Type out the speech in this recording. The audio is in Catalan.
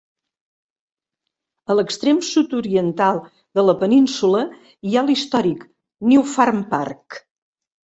A l'extrem sud-oriental de la península hi ha l'històric New Farm Park.